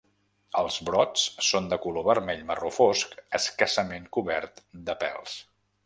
Els brots són de color vermell marró fosc, escassament cobert de pèls.